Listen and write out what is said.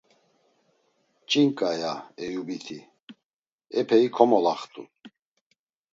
“Ç̌inǩa!” ya Eyubiti, epeyi komolaxt̆u.